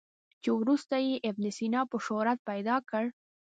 چې وروسته یې ابن سینا په شهرت پیدا کړ.